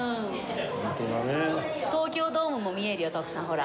東京ドームも見えるよ徳さんほら。